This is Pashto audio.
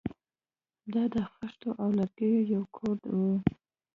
دا د خښتو او لرګیو یو کور و